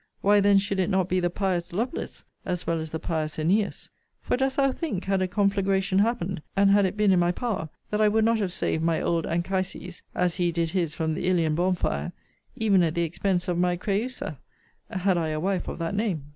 Why then should it not be the pious Lovelace, as well as the pious Æneas? For, dost thou think, had a conflagration happened, and had it been in my power, that I would not have saved my old Anchises, (as he did his from the Ilion bonfire,) even at the expense of my Creüsa, had I a wife of that name?